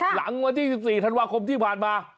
หลังวันที่๑๔ธันวาคมที่ผ่านมา